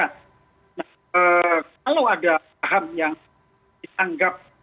nah kalau ada paham yang dianggap